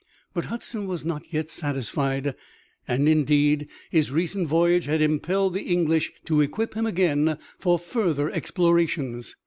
But Hudson was not yet satisfied, and indeed his recent voyage had impelled the English to equip him again for further explorations.